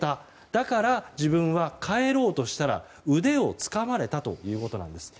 だから、自分は帰ろうとしたら腕をつかまれたということです。